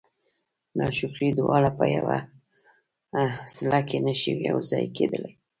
ناشکري دواړه په یوه زړه کې نه شي یو ځای کېدلی.